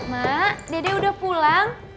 mak dede udah pulang